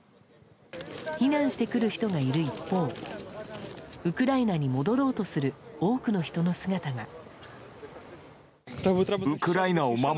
避難してくる人がいる一方ウクライナに戻ろうとする多くの人の姿が。